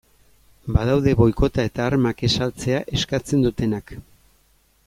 Badaude boikota eta armak ez saltzea eskatzen dutenak.